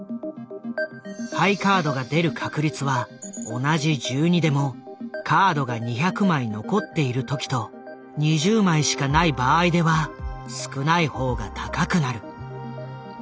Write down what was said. ハイカードが出る確率は同じ１２でもカードが２００枚残っている時と２０枚しかない場合では少ない方が高くなる。